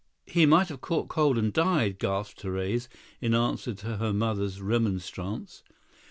"He might have caught cold and died," gasped Therese, in answer to her mother's remonstrance.